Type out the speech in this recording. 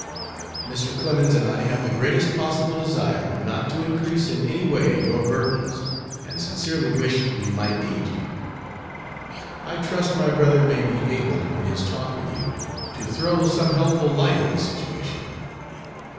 Mr. Clemens and I have the greatest possible desire, not to increase in any way your burdens, and sincerely wish we might aid you. I trust my brother may be able, in his talk with you, to throw some helpful light on the situation.